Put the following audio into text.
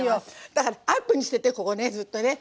だからアップにしててここねずっとね。